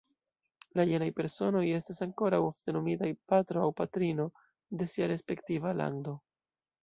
La jenaj personoj estas ankoraŭ ofte nomitaj "Patro" aŭ "Patrino" de sia respektiva lando.